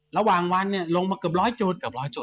ระหว่างวันนี้ลงมากับร้อยจุด